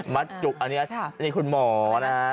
มัดจุกอันนี้คุณหมอนะครับ